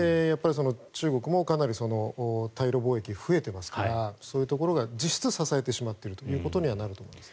中国もかなり対ロ貿易が増えてますからそういうところが実質支えてしまっているということになると思います。